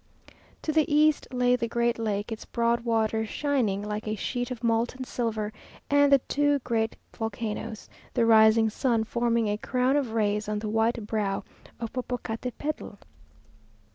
To the east lay the great lake, its broad waters shining like a sheet of molten silver, and the two great volcanoes: the rising sun forming a crown of rays on the white brow of Popocatepetl.